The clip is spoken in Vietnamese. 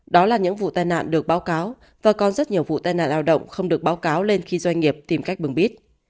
đó là những vụ tai nạn được báo cáo và còn rất nhiều vụ tai nạn lao động không được báo cáo lên khi doanh nghiệp tìm cách bưng bít